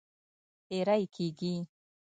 تېری کیږي.